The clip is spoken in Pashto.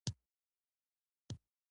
دا مبارزه د جګړې بدیل دی.